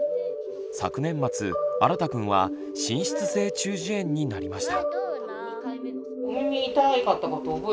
昨年末あらたくんは滲出性中耳炎になりました。